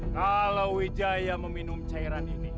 kalau wijaya meminum cairan ini